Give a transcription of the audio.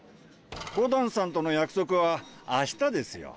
コダンさんとの約束はあしたですよ。